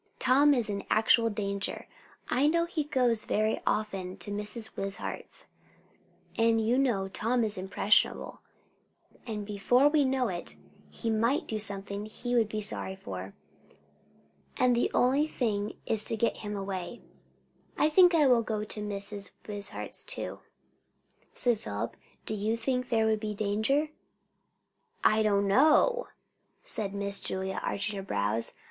Tom is in actual danger. I know he goes very often to Mrs. Wishart's; and you know Tom is impressible; and before we know it he might do something he would be sorry for. The only thing is to get him away." "I think I will go to Mrs. Wishart's too," said Philip. "Do you think there would be danger?" "I don't know!" said Miss Julia, arching her brows.